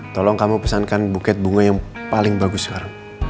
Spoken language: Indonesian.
tolong kamu pesankan buket bunga yang paling bagus sekarang